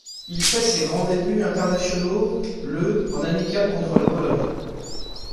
Il fait ses grands débuts internationaux le en amical contre la Pologne.